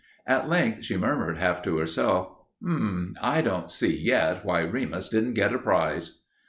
At length she murmured, half to herself, "Hm! I don't see yet why Remus didn't get a prize."